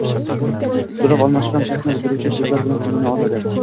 Soʻroq olmoshi ham shaxsni bildiruvchi soʻzlar bilan qoʻllana oladi